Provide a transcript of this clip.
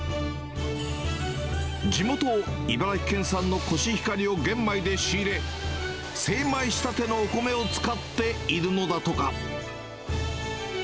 地元、茨城県産のコシヒカリを玄米で仕入れ、精米したてのお米を使っているのだとか。